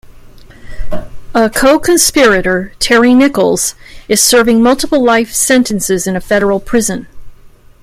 A co-conspirator, Terry Nichols, is serving multiple life sentences in a federal prison.